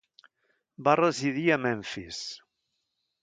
Va residir a Memfis.